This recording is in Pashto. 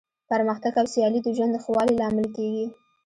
پرمختګ او سیالي د ژوند د ښه والي لامل کیږي.